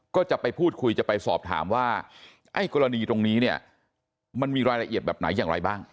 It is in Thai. ก็จะไปพูดคุยจะไปสอบถามว่าไอ้กรณีตรงนี้เนี่ยมันมีรายละเอียดแบบไหนอย่างไรบ้าง